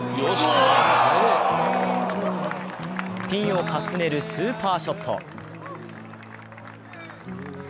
ピンをかすめるスーパーショット。